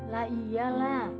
jadi kita beli sekolah nek